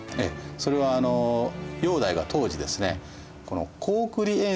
それは煬帝が当時ですね